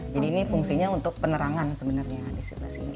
jadi ini fungsinya untuk penerangan sebenarnya di sebelah sini